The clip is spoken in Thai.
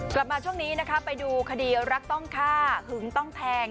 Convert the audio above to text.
กลับมาช่วงนี้นะคะไปดูคดีรักต้องฆ่าหึงต้องแทง